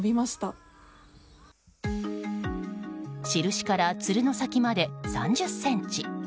印から、つるの先まで３０ｃｍ。